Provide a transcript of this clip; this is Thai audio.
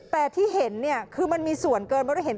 แต่ที่เห็นคือมันมีส่วนเกิน